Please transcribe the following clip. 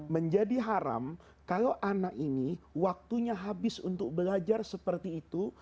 menjadi haram kalau anak ini waktunya habis untuk belajar seperti itu